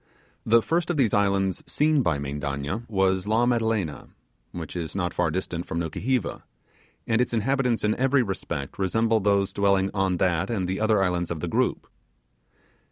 The first of these islands seen by Mendanna was La Madelena, which is not far distant from Nukuheva; and its inhabitants in every respect resemble those dwelling on that and the other islands of the group.